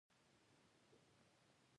په ورتلو مو ډېر خوشاله شو.